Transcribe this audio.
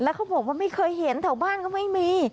เขาบอกว่าไม่เคยเห็นแถวบ้านก็ไม่มี